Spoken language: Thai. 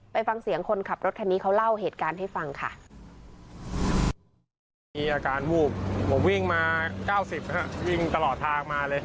ไปฟังเสียงคนขับรถคันนี้เขาเล่าเหตุการณ์ให้ฟังค่ะ